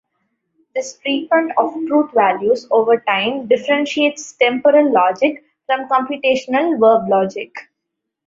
This treatment of truth values over time differentiates temporal logic from computational verb logic.